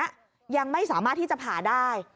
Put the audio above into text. ยังไม่สามารถที่จะผ่าได้